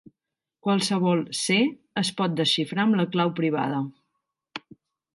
Qualsevol "C" es pot desxifrar amb la clau privada.